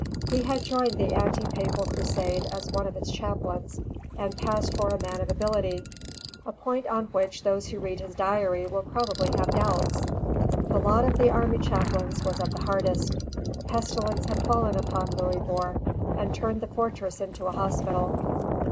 He had joined the anti papal crusade as one of its chaplains, and passed for a man of ability, a point on which those who read his diary will probably have doubts. The lot of the army chaplains was of the hardest. A pestilence had fallen upon Louisbourg, and turned the fortress into a hospital.